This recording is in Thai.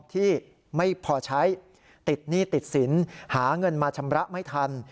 ที่ไม่พอใช้ติดหนี้ติดสินหาเงินมาชำระไม่ทัน